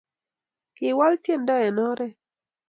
Kiwal tyendo eng oret